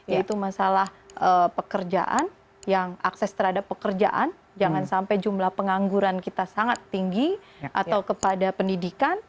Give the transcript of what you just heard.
yaitu masalah pekerjaan yang akses terhadap pekerjaan jangan sampai jumlah pengangguran kita sangat tinggi atau kepada pendidikan